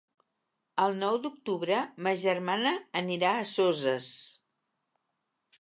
El nou d'octubre ma germana anirà a Soses.